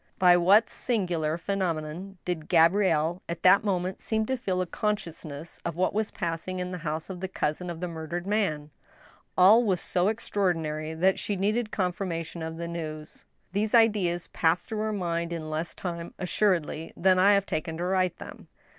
By what singular phenomenon did Gabrielle at that moment seem to feel a consciousness of what was passing in the house of the cousin of the murdered man ? All was so extraordinary that she needed confirmation of the news. These ideas passed through her mind in less time, assuredly, than I have taken to write them.